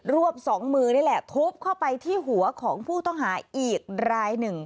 วบสองมือนี่แหละทุบเข้าไปที่หัวของผู้ต้องหาอีกรายหนึ่ง